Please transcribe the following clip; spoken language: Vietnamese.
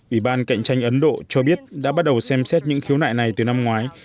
ủy ban cạnh tranh ấn độ cho biết đã bắt đầu xem xét những khiếu nại này từ năm ngoái